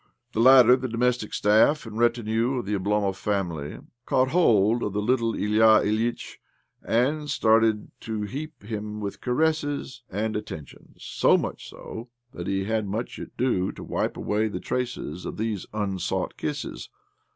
The latter, the domestic staff and retinue of the Oblomov family, caught hold of the little Ilya Ilyitch, and started to heap him with caresses and attentions — so much so that he had much ado to wipe away the traces of these unsought kisses.